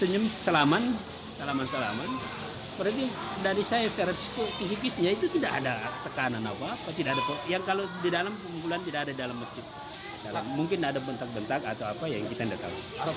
yang kalau di dalam pengumpulan tidak ada di dalam masjid mungkin ada bentak bentak atau apa yang kita tidak tahu